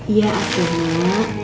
iya asli dulu